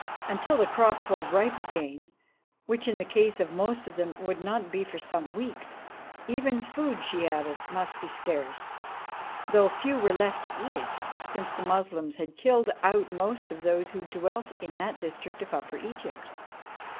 Until the crops were ripe again, which in the case of most of them would not be for some weeks, even food, she added, must be scarce, though few were left to eat it, since the Moslems had killed out most of those who dwelt in that district of Upper Egypt.